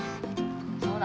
そうだ。